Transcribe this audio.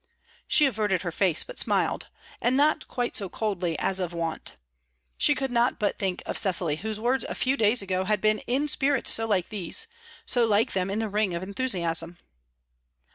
She averted her face, but smiled, and not quite so coldly as of wont. She could not but think of Cecily, whose words a few days ago had been in spirit so like these, so like them in the ring of enthusiasm.